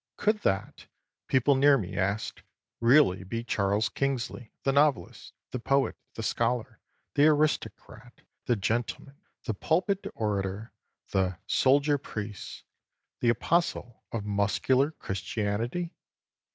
Could that, people near me asked, really be Charles Kingsley, the novelist, the poet, the scholar, the aristocrat, the gentleman, the pulpit orator, the 'soldier priest,' the apostle of muscular Christianity?